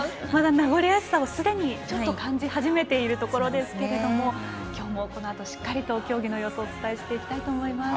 名残惜しさをすでに感じ始めているところですけれど今日もこのあとしっかり競技の様子お伝えしていきたいと思います。